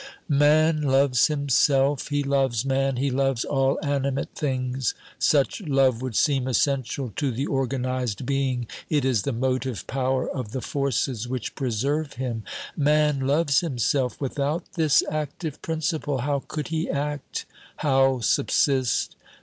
Man loves himself, he loves man, he loves all animate things. Such love would seem essential to the organised being ; it is the motive power of the forces which preserve him. Man loves himself; without this active principle, how could he act, how subsist